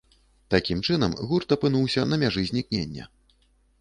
Такім чынам, гурт апынуўся на мяжы знікнення.